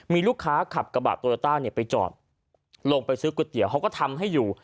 มีลูกค้าขับกระบะโตโยต้าเนี่ยไปจอดลงไปซื้อก๋วยเตี๋ยวเขาก็ทำให้อยู่